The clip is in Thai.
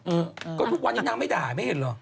เออก็ทุกวันนี้นางไม่ด่าไม่เห็นเหรอ